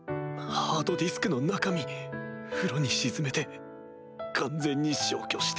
ハードディスクの中身風呂に沈めて完全に消去してくれ。